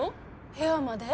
部屋まで？